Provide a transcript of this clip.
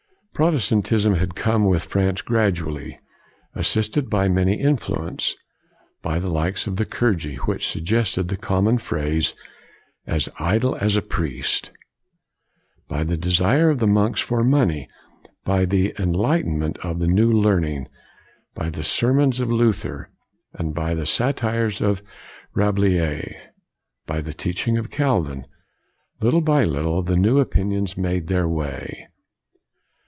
150 COLIGNY Protestantism had come into France gradually, assisted by many influences: by the lives of the clergy, which suggested the common phrase, " as idle as a priest"; by the desire of the monks for money; by the enlightenment of the new learning; by the sermons of Luther, and by the satires of Rabelais; by the teaching of Calvin. Lit tle by little, the new opinions made their way.